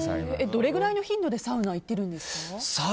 どれぐらいの頻度でサウナに行ってるんですか？